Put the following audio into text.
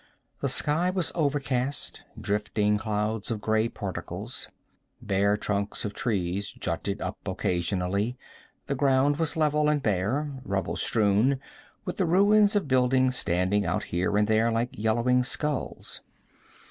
The sky was overcast, drifting clouds of gray particles. Bare trunks of trees jutted up occasionally; the ground was level and bare, rubble strewn, with the ruins of buildings standing out here and there like yellowing skulls.